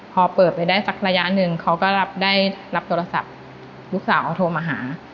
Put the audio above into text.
พอเปิดไปได้สักระยะหนึ่งเขาก็ได้รับโทรศัพท์ลูกสาวเขาโทรมาหา